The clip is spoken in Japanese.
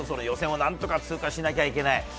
予選を何とか通過しなきゃいけない。